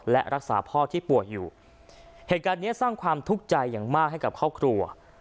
และรักษาพ่อที่ป่วยอยู่เหตุการณ์เนี้ยสร้างความทุกข์ใจอย่างมากให้กับครอบครัว